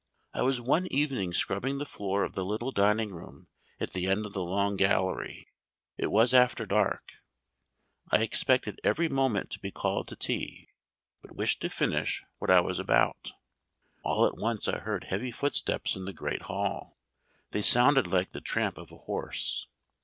I was one evening scrubbing the floor of the little dining room at the end of the long gallery; it was after dark; I expected every moment to be called to tea, but wished to finish what I was about. All at once I heard heavy footsteps in the great hall. They sounded like the tramp of a horse.